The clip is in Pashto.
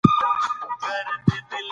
ښوونکی زده کوونکي د هڅو ستاینه کوي